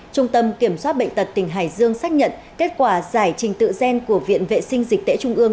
trung tâm kiểm soát bệnh tật tỉnh hải dương xác nhận kết quả giải trình tự gen của viện vệ sinh dịch tễ trung ương